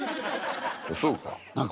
そうか？